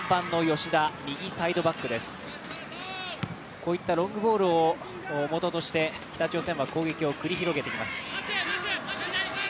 こういったロングボールをもととして、北朝鮮は攻撃を繰り広げています。